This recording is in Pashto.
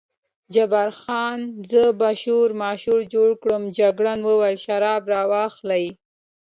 جبار خان: زه به شورماشور جوړ کړم، جګړن وویل شراب را واخلئ.